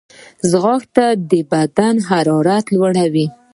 ځغاسته د بدن حرارت لوړوي